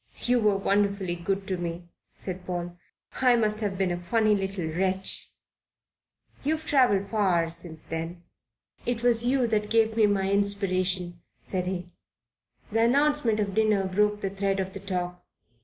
"You were wonderfully good to me," said Paul. "I must have been a funny little wretch." "You've travelled far since then." "It was you that gave me my inspiration," said he. The announcement of dinner broke the thread of the talk.